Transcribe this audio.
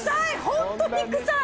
ホントにくさい！